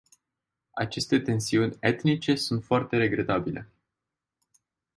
Aceste tensiuni etnice sunt foarte regretabile.